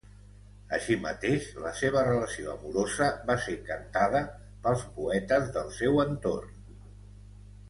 Així mateix, la seva relació amorosa va ser cantada pels poetes del seu entorn.